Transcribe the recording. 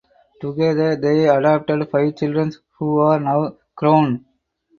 Together they adopted five children who are now grown.